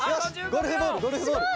ゴルフボールゴルフボール。